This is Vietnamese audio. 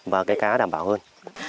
và cái cá đảm bảo hơn